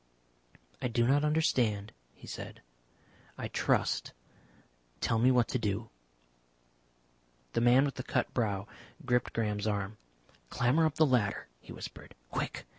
"I do not understand," he said. "I trust. Tell me what to do." The man with the cut brow gripped Graham's arm. "Clamber up the ladder," he whispered. "Quick.